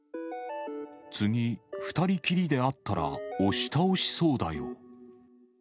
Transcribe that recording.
次、２人きりで会ったら押し倒しそうだよ。